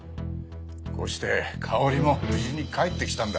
こうして香織も無事に帰ってきたんだ。